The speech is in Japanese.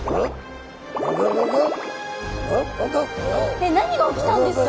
えっ何が起きたんですか？